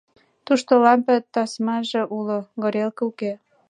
Тушто лампе тасмаже уло, горелке уке.